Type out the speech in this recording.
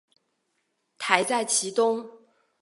台在其东。